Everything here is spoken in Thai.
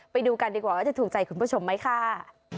ไปดูกันดีกว่าว่าจะถูกใจคุณผู้ชมไหมค่ะ